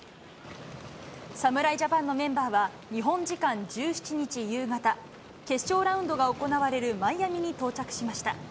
侍ジャパンのメンバーは日本時間１７日夕方、決勝ラウンドが行われるマイアミに到着しました。